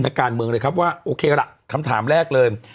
การเมืองเลยครับว่าโอเคละคำถามแรกเลย